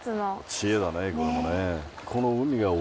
知恵だねこれもね。